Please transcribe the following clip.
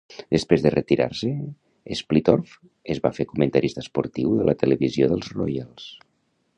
Després de retirar-se, Splittorff es va fer comentarista esportiu de televisió dels Royals.